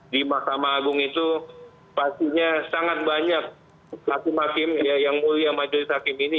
di mahkamah agung itu pastinya sangat banyak hakim hakim yang mulia majelis hakim ini